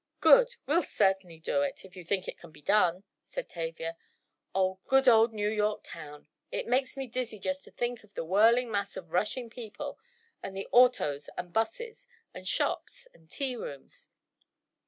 "Good! We'll certainly do it, if you think it can be done," said Tavia. "Oh, good old New York town! It makes me dizzy just to think of the whirling mass of rushing people and the autos and 'buses, and shops and tea rooms!